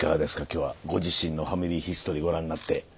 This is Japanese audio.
今日はご自身の「ファミリーヒストリー」ご覧になって。